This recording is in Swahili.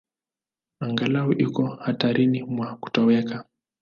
Angalau iko hatarini mwa kutoweka.